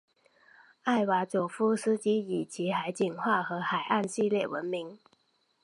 艾瓦佐夫斯基以其海景画和海岸系列闻名。